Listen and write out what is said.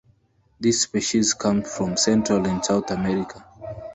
This species comes from Central and South America.